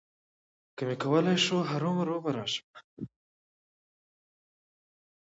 که مې کولای شول، هرومرو به راشم.